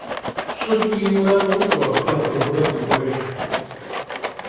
Ş'ır ç'iyuere khok'ue, ğer ğıuere mek'uejj.